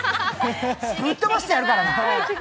ぶっとばしてやるからな！